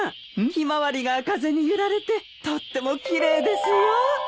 ヒマワリが風に揺られてとっても奇麗ですよ。